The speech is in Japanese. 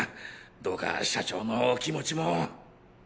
どうか社長のお気持ちも。